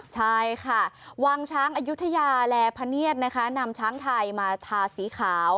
ใช่ค่ะวางช้างอายุทยาและพะเนียดนะคะนำช้างไทยมาทาสีขาว